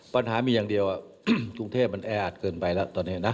ปัญหามีอย่างเดียวกรุงเทพมันแออัดเกินไปแล้วตอนนี้นะ